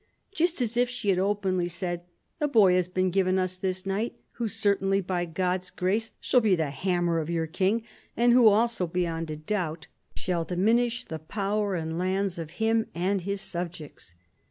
Just as if she had openly said, 'A boy has been given us this night, who certainly by God's grace shall be the hammer of your king, and who also, beyond a doubt, shall ii THE BEGINNINGS OF PHILIP'S POWER 17 diminish the power and lands of him and his subjects.'